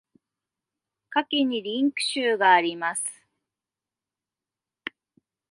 下記にリンク集があります。